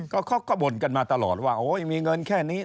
เขาก็บ่นกันมาตลอดว่าโอ้ยมีเงินแค่นี้